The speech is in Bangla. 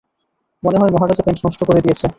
মনে হয় মহারাজা প্যান্ট নষ্ট করে দিয়েছে।